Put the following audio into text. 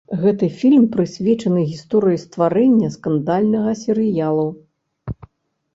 Гэты фільм прысвечаны гісторыі стварэння скандальнага серыялу.